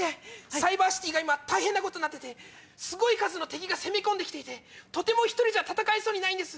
サイバーシティーが今大変なことになっててすごい数の敵が攻め込んで来て１人じゃ戦えそうにないんです。